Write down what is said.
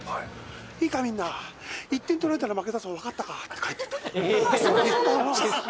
いいかみんな、１点取られたら負けだぞ、分かったかって帰っていったんです。